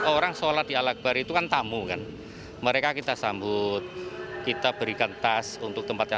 orang sholat di al akbar itu kan tamu kan mereka kita sambut kita berikan tas untuk tempat yang